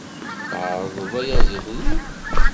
Tεerḍeḍ ayaziḍ-nni?